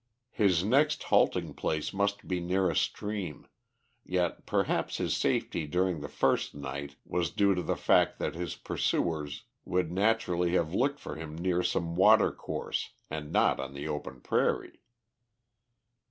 His next halting place must be near a stream, yet perhaps his safety during the first night was due to the fact that his pursuers would naturally have looked for him near some watercourse, and not on the open prairie.